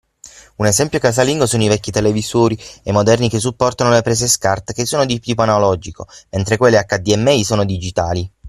Un esempio casalingo sono i vecchi televisori e i moderni che supportano le prese SCART che sono di tipo analogico, mentre quelle HDMI sono digitali.